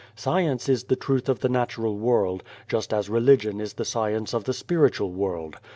Science is the truth of the natural world, just as religion is the science of the spiritual world.